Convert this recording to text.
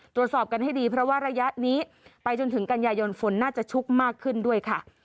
ตรวจสอบกันให้ดีเพราะว่าระยะนี้ไปจนถึงกันยายนฝนน่าจะชุกมากขึ้นด้วยค่ะ